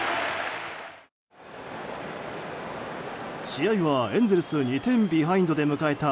試合は、エンゼルス２点ビハインドで迎えた